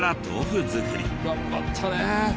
頑張ったね！